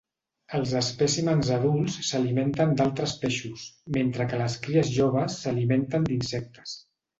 Els espècimens adults s’alimenten d’altres peixos, mentre que les cries joves s’alimenten d’insectes.